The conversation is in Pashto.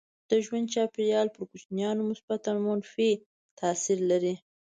د ژوند چاپيریال پر کوچنیانو مثبت او منفي تاثير لري.